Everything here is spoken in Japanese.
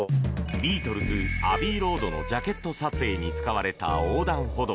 ビートルズ「ＡｂｂｅｙＲｏａｄ」のジャケット撮影に使われた横断歩道。